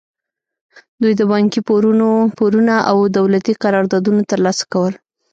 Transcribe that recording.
دوی د بانکي پورونه او دولتي قراردادونه ترلاسه کول.